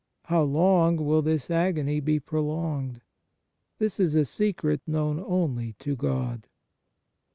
How long will this agony be prolonged ? This is a secret known only to God.